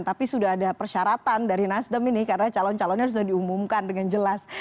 tapi sudah ada persyaratan dari nasdem ini karena calon calonnya sudah diumumkan dengan jelas